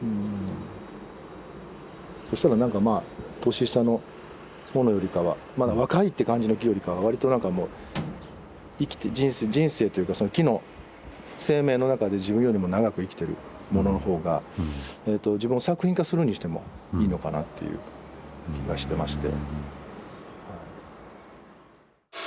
そしたらなんかまあ年下の方のよりかはまだ若いって感じの木よりかは割となんかもう生きて人生というかその木の生命の中で自分よりも長く生きてるものの方が自分を作品化するにしてもいいのかなっていう気がしてまして。